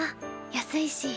安いし。